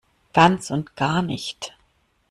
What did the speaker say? Ganz und gar nicht!